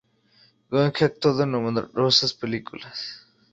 Going ha actuado en numerosas películas.